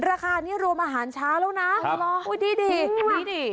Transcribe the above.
ราคานี้รวมอาหารเช้าแล้วนะอุ้ยดีดิ